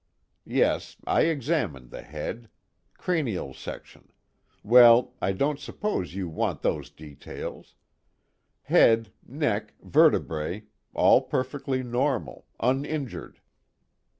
Yes, I examined the head: cranial section well, I don't suppose you want those details. Head, neck vertebrae, all perfectly normal, uninjured.